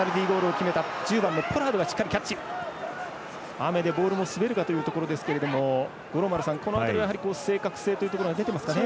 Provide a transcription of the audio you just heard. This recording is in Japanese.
雨でボールも滑るかというところですけど五郎丸さん、この辺りは正確性というところが出ていますかね。